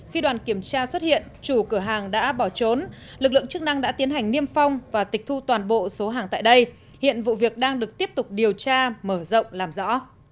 khi đoàn kiểm tra xuất hiện chủ cửa hàng đã bỏ trốn lực lượng chức năng đã tiến hành niêm phong và tịch thu toàn bộ số hàng tại đây hiện vụ việc đang được tiếp tục điều tra mở rộng làm rõ